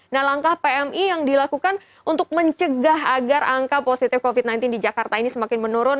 nah langkah pmi yang dilakukan untuk mencegah agar angka positif covid sembilan belas di jakarta ini semakin menurun